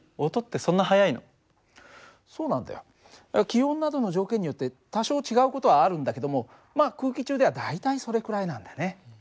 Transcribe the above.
気温などの条件によって多少違う事はあるんだけどもまあ空気中では大体それくらいなんだね。